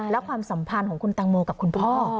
และความสัมพันธ์ของคุณตังโมกับคุณพ่อ